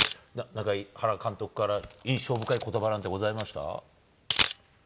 原監督から印象深いことばなんてございました？